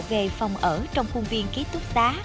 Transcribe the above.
về phòng ở trong khuôn viên ký túc xá